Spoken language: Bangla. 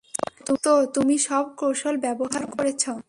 তো, তুমি সব কৌশল ব্যবহার করেছ।